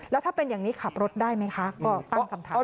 แล้วถ้าเป็นอย่างนี้ขับรถได้ไหมคะก็ตั้งคำถาม